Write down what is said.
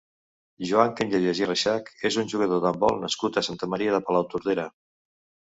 Joan Cañellas i Reixach és un jugador d'handbol nascut a Santa Maria de Palautordera.